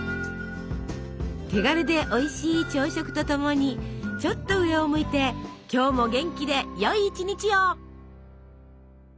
手軽でおいしい朝食と共にちょっと上を向いて今日も元気でよい一日を！